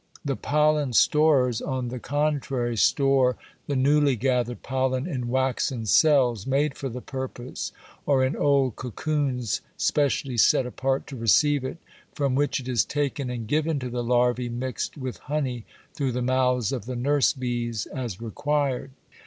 The pollen storers, on the contrary, store the newly gathered pollen in waxen cells, made for the purpose, or in old cocoons, specially set apart to receive it, from which it is taken and given to the larvæ mixed with honey through the mouths of the nurse bees as required."